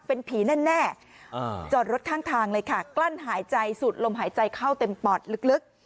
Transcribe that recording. เป็นผีแน่จอดรถข้างทางเลยค่ะกลั้นหายใจสุดลมหายใจเข้าเต็มปอดลึก